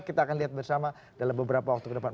kita akan lihat bersama dalam beberapa waktu ke depan